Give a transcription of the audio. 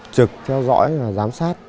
trực theo dõi và giám sát